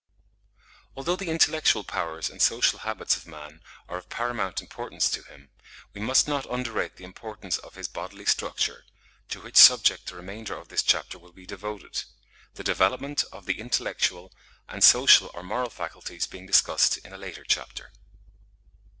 Although the intellectual powers and social habits of man are of paramount importance to him, we must not underrate the importance of his bodily structure, to which subject the remainder of this chapter will be devoted; the development of the intellectual and social or moral faculties being discussed in a later chapter.